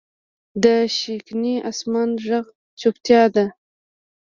د شینکي اسمان ږغ چوپتیا ده.